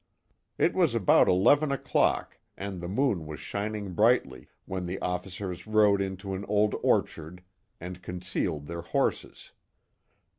It was about eleven o'clock, and the moon was shining brightly, when the officers rode into an old orchard and concealed their horses.